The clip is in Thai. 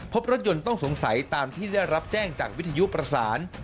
พบรถยนต์ต้องสงสัยตามที่ได้รับแจ้งจากวิทยุประสาน